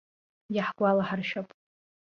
Иаҳгәалаҳаршәап.